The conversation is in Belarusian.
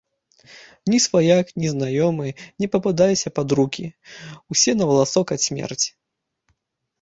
Ні сваяк, ні знаёмы не пападайся пад рукі, усе на валасок ад смерці.